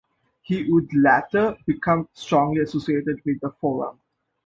He would later become strongly associated with the Forum.